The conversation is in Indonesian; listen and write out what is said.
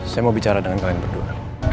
saya mau bicara dengan kalian berdua